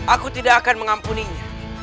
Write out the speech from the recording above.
aku tidak akan mengampuninya